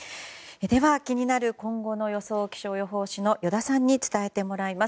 気になる今後の予想を気象予報士の依田さんに伝えてもらいます。